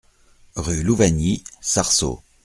Rue Louvagny, Sarceaux